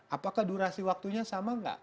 apakah durasi waktunya sama nggak